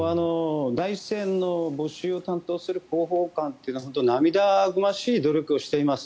第一線の募集を担当する広報官というのは本当に涙ぐましい努力をしています。